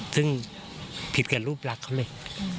ซึ่งผิดกับรูปรักเขาเลย